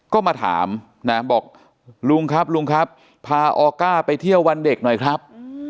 ก็มาถามนะบอกลุงครับลุงครับพาออก้าไปเที่ยววันเด็กหน่อยครับ